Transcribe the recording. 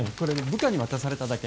部下に渡されただけ。